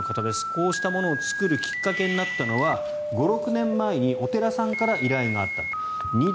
こうしたものを作るきっかけになったのは５６年前にお寺さんから依頼があったと。